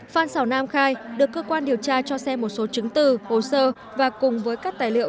phan xào nam khai được cơ quan điều tra cho xem một số chứng từ hồ sơ và cùng với các tài liệu